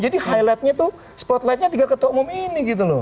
jadi highlightnya tuh spotlightnya tiga ketua umum ini gitu loh